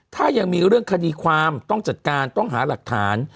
ถ้ายังมีเรื่องคดีความต้องจัดการต้องหาหลักฐาน